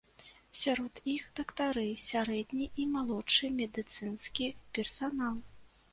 Сярод іх дактары, сярэдні і малодшы медыцынскі персанал.